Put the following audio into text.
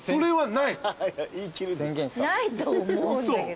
ないと思うんだけど。